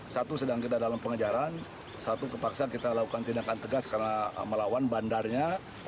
satu sedang kita dalam pengejaran satu kepaksaan kita lakukan tindakan tegas karena melawan bandarnya